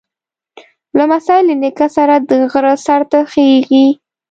لمسی له نیکه سره د غره سر ته خېږي.